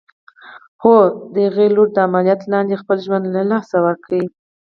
هو! د هغې لور د عمليات لاندې خپل ژوند له لاسه ورکړ.